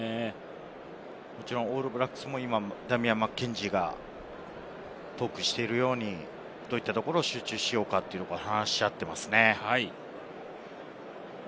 もちろんオールブラックスもダミアン・マッケンジーがトークしているように、どういったところを集中しようか話し合っていますね。